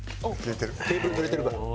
テーブル濡れてるから。